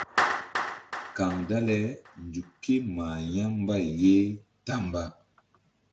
Kaŋ dale nzuk ké mah ya̧ mbay ye ta mba.